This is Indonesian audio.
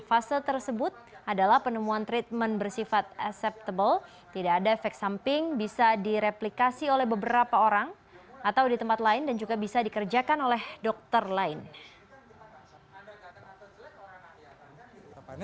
fase tersebut adalah penemuan treatment bersifat acceptable tidak ada efek samping bisa direplikasi oleh beberapa orang atau di tempat lain dan juga bisa dikerjakan oleh dokter lain